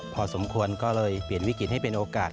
พอสมควรก็เลยเปลี่ยนวิกฤตให้เป็นโอกาส